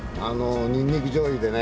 にんにくじょうゆでね